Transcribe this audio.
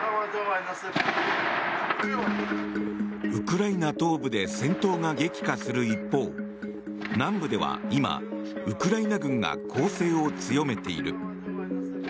ウクライナ東部で戦闘が激化する一方南部では今、ウクライナ軍が攻勢を強めている。